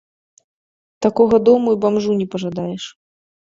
Такога дома і бамжу не пажадаеш.